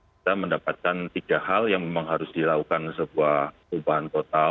kita mendapatkan tiga hal yang memang harus dilakukan sebuah perubahan total